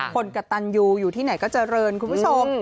กระตันยูอยู่ที่ไหนก็เจริญคุณผู้ชม